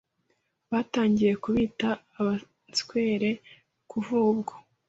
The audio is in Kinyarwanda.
batangiye kubita Abaswere. kuvubwo